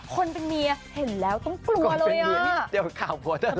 คนเป็นเมียเห็นแล้วต้องกลัวเลยอ่ะคนเป็นเมียนี่เดี๋ยวข่าวผัวเธอหรอ